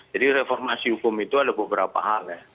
reformasi hukum itu ada beberapa hal ya